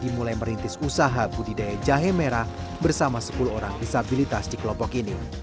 dimulai merintis usaha budidaya jahe merah bersama sepuluh orang disabilitas di kelompok ini